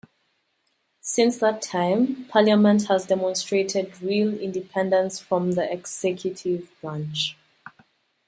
Since that time, Parliament has demonstrated real independence from the executive branch.